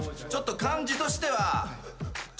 ちょっと感じとしては。